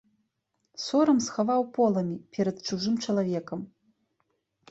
Сорам схаваў поламі перад чужым чалавекам.